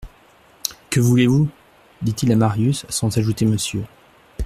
Que voulez-vous ? dit-il à Marius, sans ajouter monsieur.